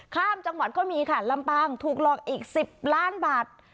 ข้ามจังหวัดก็มีค่ะลำปางถูกหลอกอีก๑๐ล้านบาท